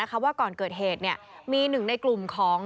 ว่าก่อนเกิดเหตุมีหนึ่งในกลุ่มของ